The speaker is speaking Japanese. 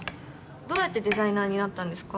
どうやってデザイナーになったんですか？